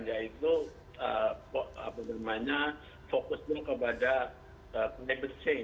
yaitu apa namanya fokusnya kepada penyelidikan